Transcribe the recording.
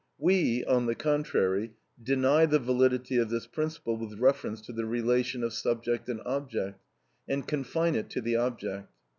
We, on the contrary, deny the validity of this principle with reference to the relation of subject and object, and confine it to the object.